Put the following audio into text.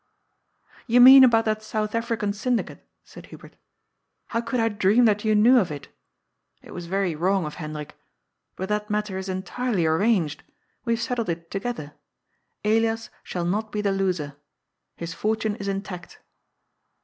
" You mean about that South African Syndicate," said Hubert. "How could I dream that you knew of it? It was very wrong of Hendrik. But that matter is entirely arranged. We have settled it together. Elias shall not be the loser. His fortune is intact."